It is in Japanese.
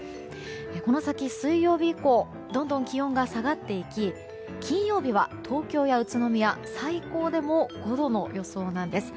この先、水曜日以降どんどん気温が下がっていき金曜日は東京や宇都宮最高でも５度の予想なんです。